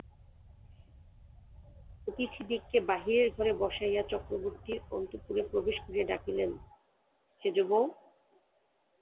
অতিথিদিগকে বাহিরের ঘরে বসাইয়া চক্রবর্তী অন্তঃপুরে প্রবেশ করিয়া ডাকিলেন, সেজবউ!